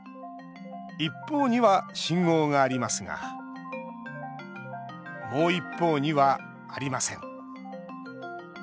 一方には信号がありますがもう一方にはありません。